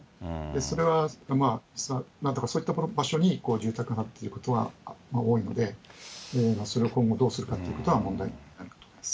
それはなんとか、そういった場所に住宅があるということは多いので、それを今後、どうするかということが問題になっています。